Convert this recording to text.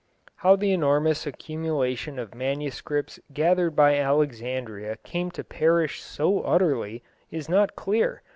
How the enormous accumulation of manuscripts gathered by Alexandria came to perish so utterly is not clear.